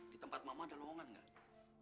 di tempat mama ada lowongan nggak